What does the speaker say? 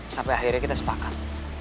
sampai akhirnya kita sepakat